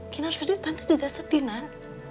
kinar sedih tante juga sedih nak